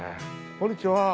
こんにちは。